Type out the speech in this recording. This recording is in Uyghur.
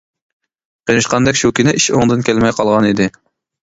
قېرىشقاندەك شۇ كۈنى ئىش ئوڭدىن كەلمەي قالغان ئىدى.